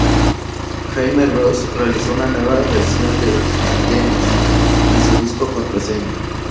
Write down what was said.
Jaime Roos realizó una nueva versión de "Andenes" en su disco "Contraseña".